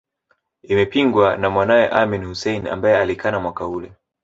Imepingwa na mwanawe Amin Hussein ambae alikana mwaka ule